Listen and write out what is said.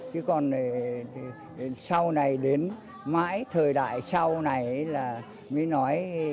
chứ còn sau này đến mãi thời đại sau này là mới nói